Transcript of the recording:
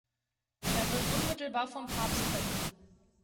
Er wird unmittelbar vom Papst verliehen.